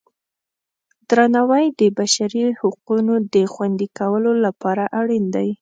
درناوی د بشري حقونو د خوندي کولو لپاره اړین دی.